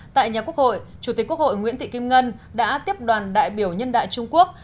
tại nhà quốc hội chủ tịch quốc hội nguyễn thị kim ngân đã tiếp đoàn đại biểu nhân đại trung quốc